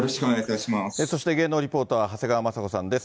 そして芸能リポーター、長谷川まさ子さんです。